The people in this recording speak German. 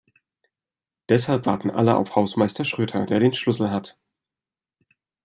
Deshalb warten alle auf Hausmeister Schröter, der den Schlüssel hat.